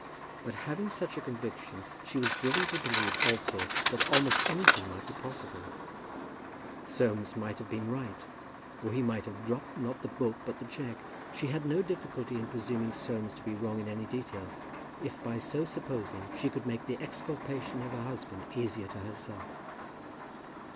But having such a conviction she was driven to believe also that almost anything might be possible. Soames may have been right, or he might have dropped, not the book, but the cheque. She had no difficulty in presuming Soames to be wrong in any detail, if by so supposing she could make the exculpation of her husband easier to herself.